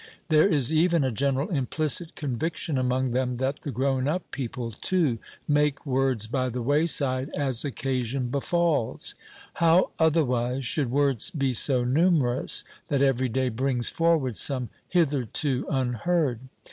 There is even a general implicit conviction among them that the grown up people, too, make words by the wayside as occasion befalls. How otherwise should words be so numerous that every day brings forward some hitherto unheard?